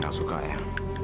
gak suka ya